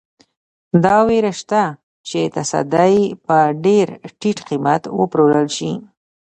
دا وېره شته چې تصدۍ په ډېر ټیټ قیمت وپلورل شي.